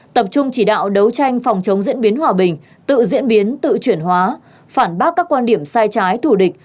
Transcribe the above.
tập trung chỉ đạo đấu tranh phòng chống diễn biến hòa bình tự diễn biến tự chuyển hóa phản bác các quan điểm sai trái thủ địch